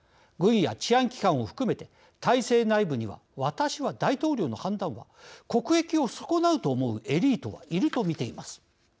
軍や治安機関を含めて体制内部には私は大統領の判断は国益を損なうと思うエリートはいるとみています。